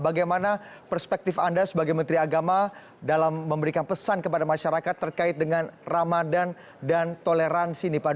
bagaimana perspektif anda sebagai menteri agama dalam memberikan pesan kepada masyarakat terkait dengan ramadan dan toleransi